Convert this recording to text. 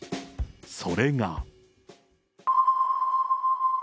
それが。